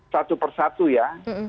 satu persatu ya